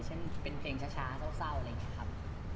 เช่นเป็นเพลงช้าเศร้าอะไรอย่างนี้ครับ